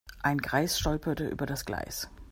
Ein Greis stolperte über das Gleis.